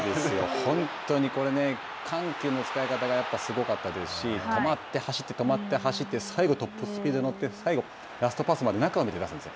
本当にこれね、緩急の使い方がすごかったですし、止まって走って、止まって走って最後トップスピードに乗って、最後ラストパスまで中を見て出すんですよ。